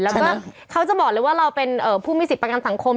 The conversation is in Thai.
แล้วก็เขาจะบอกเลยว่าเราเป็นผู้มีสิทธิ์ประกันสังคม